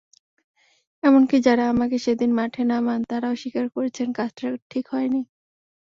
এমনকি যাঁরা আমাকে সেদিন মাঠে নামান, তাঁরাও স্বীকার করেছেন, কাজটা ঠিক হয়নি।